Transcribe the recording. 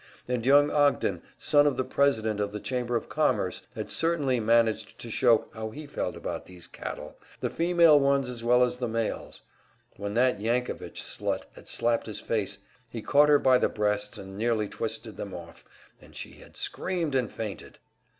And young Ogden, son of the president of the Chamber of Commerce, had certainly managed to show how he felt about these cattle, the female ones as well as the males; when that Yankovich slut had slapped his face, he had caught her by the breasts and nearly twisted them off, and she had screamed and fainted!